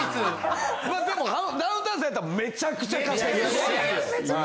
でもダウンタウンさんやったらめちゃくちゃ稼げます。